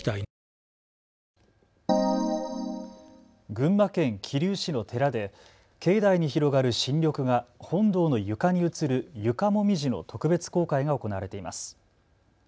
群馬県桐生市の寺で境内に広がる新緑が本堂の床に映る床もみじの特別公開が行われています。